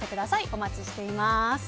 お待ちしています。